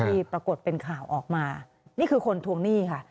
ที่ปรากฏเป็นข่าวออกมานี่คือคนทวงหนี้ค่ะ